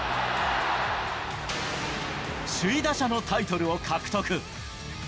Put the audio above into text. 首位打者のタイトルを獲得。